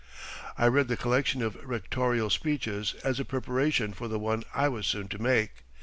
I read the collection of rectorial speeches as a preparation for the one I was soon to make.